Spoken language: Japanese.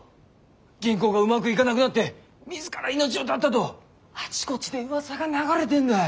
銀行がうまくいがなくなって自ら命を絶ったとあちこちでうわさが流れてんだい。